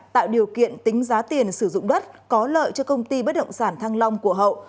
tạo điều kiện tính giá tiền sử dụng đất có lợi cho công ty bất động sản thăng long của hậu